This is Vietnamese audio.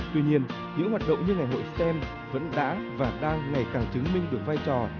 tuy nhiên những hoạt động như ngày hội stem vẫn đã và đang ngày càng chứng minh được vai trò